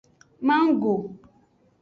Manggo.